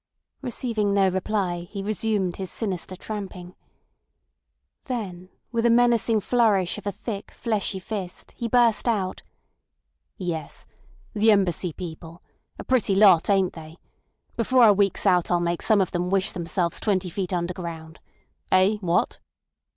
Receiving no reply, he resumed his sinister tramping. Then with a menacing flourish of a thick, fleshy fist, he burst out: "Yes. The Embassy people. A pretty lot, ain't they! Before a week's out I'll make some of them wish themselves twenty feet underground. Eh? What?"